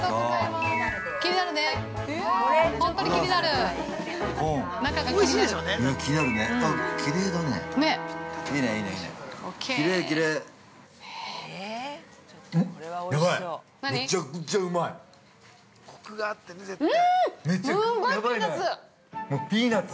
すーごいピーナッツ。